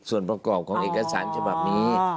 ส่วนประกอบของเอกสารฉบับนี้